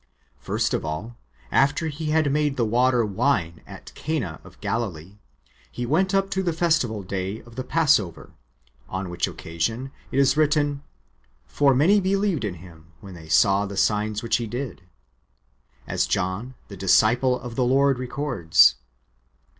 First of all, after He had made the water wine at Cana of Galilee, He went up to the festival day of the passover, on which occasion it is written, " For many believed in Him, when they saw the signs which He did," ^ as John the disciple of the Lord re cords.